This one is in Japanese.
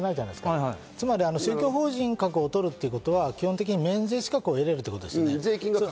宗教法人格を取るということは基本的に免税資格を得られるということです。